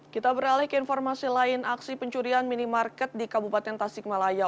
kita beralih ke informasi lain aksi pencurian minimarket di kabupaten tasikmalaya